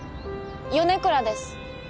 米倉です。